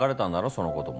その子とも。